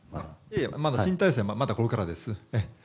新体制はまだこれからです。